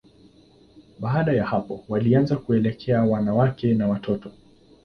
Baada ya hapo, walianza kuelekea wanawake na watoto.